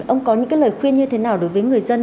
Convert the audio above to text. ông có những lời khuyên như thế nào đối với người dân